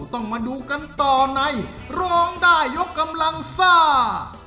ต้องมาดูกันต่อในร้องได้ยกกำลังซ่า